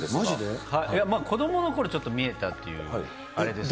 子どものころ、ちょっと見えたっていうあれですよね。